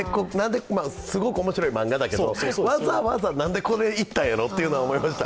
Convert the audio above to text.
すごく面白い漫画だけど、わざわざ何でこれにいったんやろとは思いました。